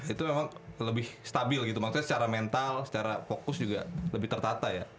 itu emang lebih stabil gitu maksudnya secara mental secara fokus juga lebih tertata ya